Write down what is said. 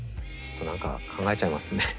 何か考えちゃいますね。